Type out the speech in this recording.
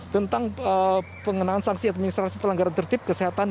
tentang pengenaan sanksi administrasi pelanggaran tertib kesehatan dan kemampuan